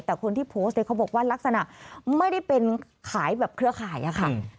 แต่คนที่โพสต์เนี่ยเขาบอกว่าลักษณะไม่ได้เป็นขายแบบเครือข่ายอะค่ะ